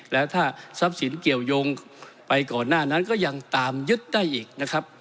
แล้วถ้าทรัพย์สินเกี่ยวยงไปก่อนหน้านั้นก็ยังตามยึดได้อีกนะครับ